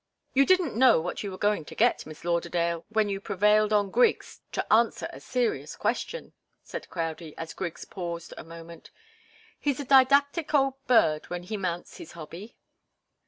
"You didn't know what you were going to get, Miss Lauderdale, when you prevailed on Griggs to answer a serious question," said Crowdie, as Griggs paused a moment. "He's a didactic old bird, when he mounts his hobby."